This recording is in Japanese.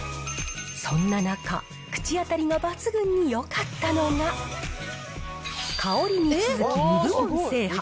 そんな中、口当たりが抜群によかったのが、香りに続き２部門制覇。